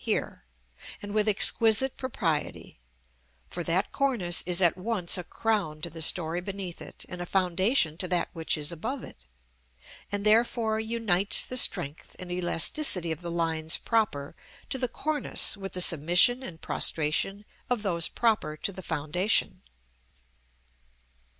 here), and with exquisite propriety; for that cornice is at once a crown to the story beneath it and a foundation to that which is above it, and therefore unites the strength and elasticity of the lines proper to the cornice with the submission and prostration of those proper to the foundation.